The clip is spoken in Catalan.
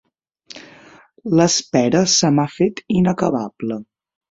L'espera se m'ha fet inacabable.